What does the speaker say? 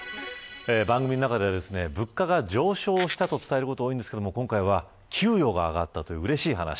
番組の中では、物価が上昇したと伝えることが多いんですが今回は給与が上がったといううれしい話。